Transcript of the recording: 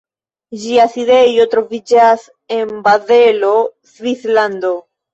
Ĝia sidejo troviĝas en Bazelo, Svislando.